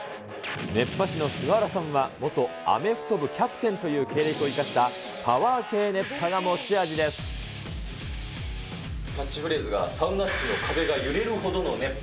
熱波師の菅原さんは、元アメフト部キャプテンという経歴を生かした、パワー系熱波が持キャッチフレーズが、サウナ室の壁が揺れるほどの熱波。